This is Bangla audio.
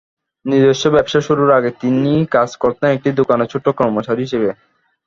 নিজস্ব ব্যবসা শুরুর আগে তিনি কাজ করতেন একটি দোকানে ছোট কর্মচারী হিসেবে।